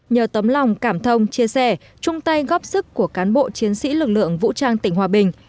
nhờ tấm lòng cảm thông chia sẻ chung tay góp sức của cán bộ chiến sĩ lực lượng vũ trang tỉnh hòa bình